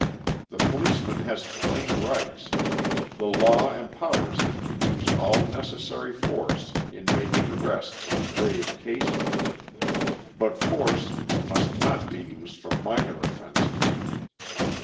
The policeman has plain rights—the law empowers him to use all necessary force in making arrests in grave cases. But force must not be used for minor offenses.